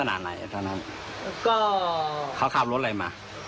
ไม่ได้ทำทะเบียน